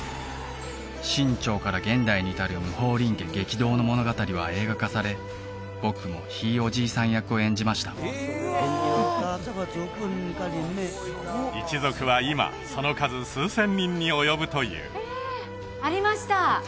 清朝から現代に至る霧峰林家激動の物語は映画化され僕もひいおじいさん役を演じました一族は今その数数千人に及ぶというありました